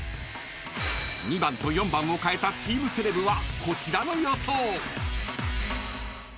［２番と４番を替えたチームセレブはこちらの予想］